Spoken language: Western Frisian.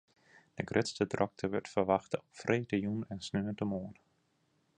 De grutste drokte wurdt ferwachte op freedtejûn en sneontemoarn.